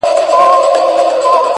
o د آتشي غرو د سکروټو د لاوا لوري،